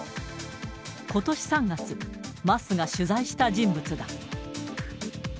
ことし３月、桝が取材した人物だ。